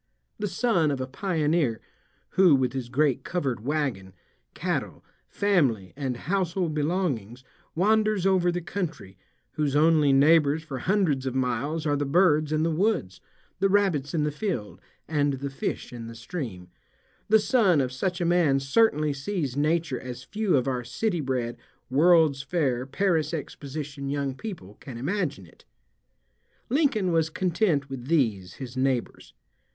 The son of a pioneer who, with his great covered wagon, cattle, family, and household belongings, wanders over the country, whose only neighbors for hundreds of miles are the birds in the woods, the rabbits in the field, and the fish in the stream, the son of such a man certainly sees nature as few of our city bred, World's Fair, Paris Exposition young people, can imagine it. Lincoln was content with these, his neighbors.